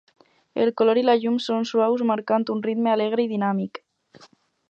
El color i la llum són suaus, marcant un ritme alegre i dinàmic.